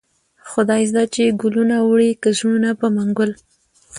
خداى زده چې گلونه وړې كه زړونه په منگل